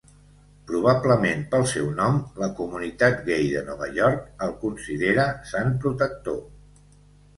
Probablement pel seu nom, la comunitat gai de Nova York el considera sant protector.